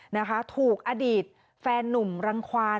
นะคะถูกอดีตแฟนนุ่มรังควาน